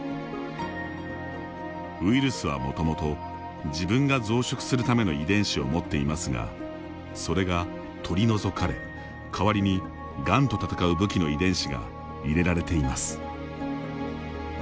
ウイルスはもともと自分が増殖するための遺伝子を持っていますがそれが取り除かれ、かわりにがんと戦う武器の遺伝子が入れられています。